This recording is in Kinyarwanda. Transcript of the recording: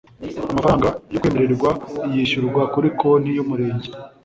amafaranga yo kwemererwa yishyurwa kuri konti y’umurenge